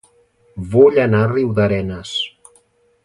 Vull anar a Riudarenes